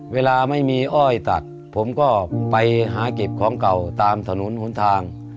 เวลาไม่มีอ้อยตักผมก็ไปหาเก็บของเก่าตามถนนหนทาง